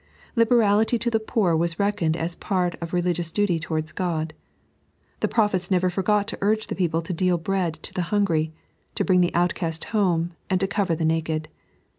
Liberality to the poor was reckoned as port of religious duty towards God. The prophets never forgot to ui^ the people to deal bread to the hungry, to bring the outcast home, and to cover the naked.